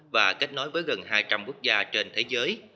và kết nối với gần hai trăm linh quốc gia trên thế giới